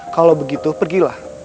kalau begitu pergilah